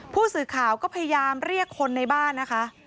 ผู้สื่อข่าวก็พยายามเรียกคนในบ้านนะคะ